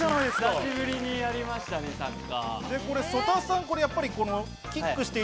久しぶりにやりましたね、サッカー。